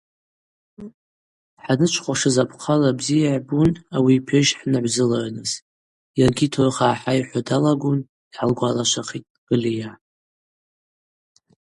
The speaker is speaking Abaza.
Хӏанычвхуашыз апхъала бзи йыгӏбун ауи йпещ хӏнагӏвзылырныс, йаргьи турых гӏахӏайхӏвуа далагун, – йгӏалгвалашвахитӏ Галия.